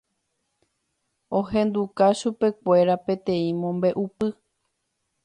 ohenduka chupekuéra peteĩ mombe'upy